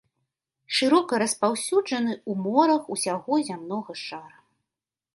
Шырока распаўсюджаны ў морах усяго зямнога шара.